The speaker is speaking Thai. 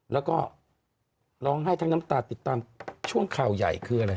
แล้วก็ร้องไห้ทั้งน้ำตาติดตามช่วงข่าวใหญ่คืออะไร